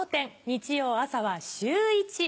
日曜朝は『シューイチ』。